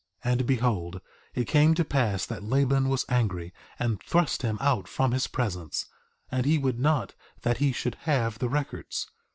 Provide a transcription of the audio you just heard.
3:13 And behold, it came to pass that Laban was angry, and thrust him out from his presence; and he would not that he should have the records.